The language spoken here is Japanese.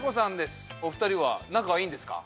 お二人は仲がいいんですか？